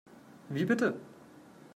Wie bitte?